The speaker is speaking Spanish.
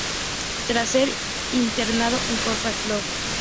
Tras ser internado en Scapa Flow.